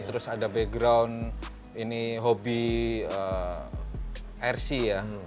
terus ada background ini hobi rc ya